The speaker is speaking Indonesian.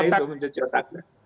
tidak mudah itu cuci otak